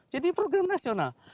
jadi program nasional